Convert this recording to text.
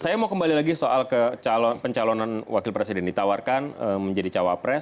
saya mau kembali lagi soal kecalon pencalonan wakil presiden ditawarkan menjadi cawa press